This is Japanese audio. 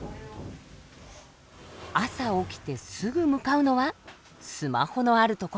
朝起きてすぐ向かうのはスマホのある所。